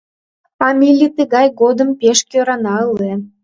А Милли тыгай годым пеш кӧрана ыле.